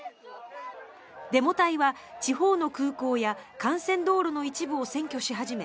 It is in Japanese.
デモ隊は地方の空港や幹線道路の一部を占拠し始め